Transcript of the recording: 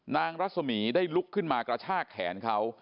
นางรสมีได้ลุกขึ้นมากระชากแขนเขา